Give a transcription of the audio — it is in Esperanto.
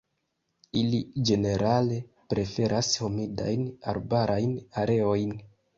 Ili ĝenerale preferas humidajn arbarajn areojn.